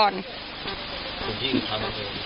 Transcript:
หลุงพี่คือภาพมังเอิญ